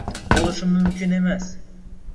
Bo'lishi mumkin emas!